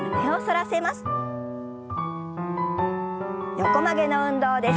横曲げの運動です。